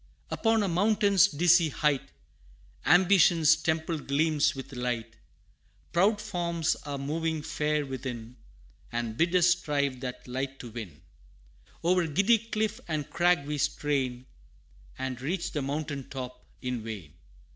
III. Upon a mountain's dizzy height, Ambition's temple gleams with light: Proud forms are moving fair within, And bid us strive that light to win. O'er giddy cliff and crag we strain, And reach the mountain top in vain!